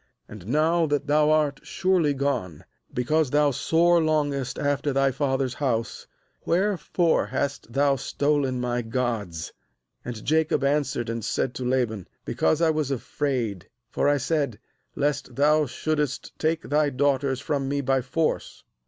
30And now that thou art surely gone, because thou sore longest after thy father's house, wherefore hast thou stolen my gods?' 31And Jacob answered and said to Laban: 'Because I was afraid; for I said: Lest thou shouldest take thy daugh ters from me by force.